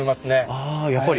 ああやっぱり。